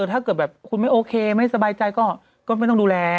ถ้าเกิดแบบคุณไม่โอเคไม่สบายใจก็ไม่ต้องดูแล